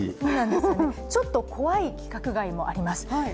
ちょっと怖い規格外もあります。